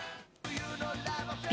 Ｂ